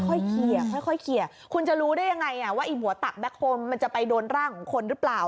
ค่อยเคลียร์ค่อยเคลียร์คุณจะรู้ได้ยังไงว่าไอ้หัวตักแก๊โฮมมันจะไปโดนร่างของคนหรือเปล่า